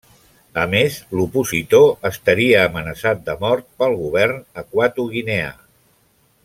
A més, l'opositor estaria amenaçat de mort pel govern equatoguineà.